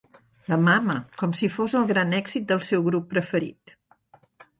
"La mama!" com si fos el gran èxit del seu grup preferit.